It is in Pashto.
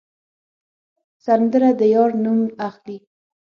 سندره د یار نوم اخلي